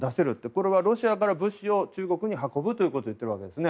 これはロシアから物資を中国に運ぶということを言っています。